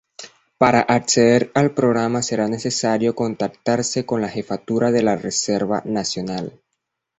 Para acceder al programa será necesario contactarse con la jefatura de la reserva nacional.